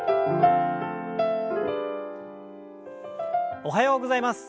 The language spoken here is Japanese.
おはようございます。